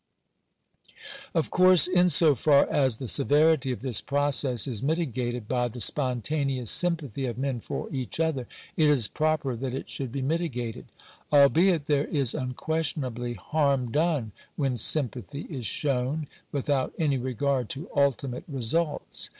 Of course, in so far as the severity of this process is mitigated y the spontaneous sympathy of men for each other, it is proper that it should be mitigated: albeit there is unquestionably harm & Digitized by VjOOQIC SANITARY SUPERVISION. 381 dond when sympathy is shown, without any regard to ultimate results.